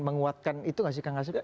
menguatkan itu gak sih kang asep